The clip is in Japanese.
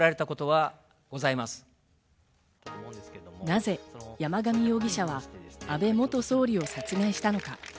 なぜ山上容疑者は安倍元総理を殺害したのか。